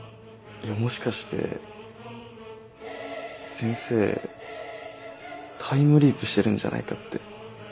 もしかして先生タイムリープしてるんじゃないかって。